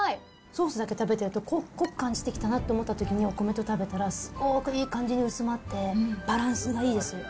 ソースだけ食べてると、濃く感じてきたなと思ったときにお米と食べたら、すごーくいい感じに薄まって、バランスがいいです。